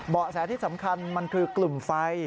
แสที่สำคัญมันคือกลุ่มไฟ